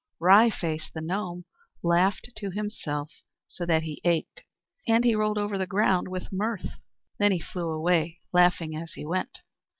Wry Face, the gnome, laughed to himself so that he ached, and he rolled over the ground with mirth. Then he flew away, laughing as he went.